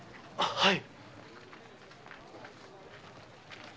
はい。